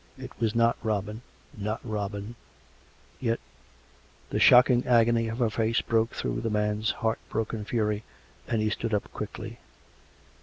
It was not Robin ... not Robin ... yet The shocking agony of her face broke through the man's heart broken fury, and he stood up quickly.